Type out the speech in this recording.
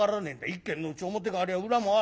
一軒のうち表がありゃ裏もある。